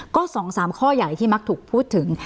ก็๒๓ข้อใหญ่ที่มักถูกพูดถึง